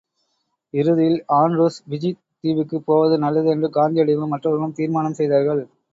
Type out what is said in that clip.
இறுதியில், ஆண்ட்ரூஸ் பிஜித் தீவுக்கு போவது நல்லது என்று காந்தியடிகளும் மற்றவர்களும் தீர்மானம் செய்தார்கள்.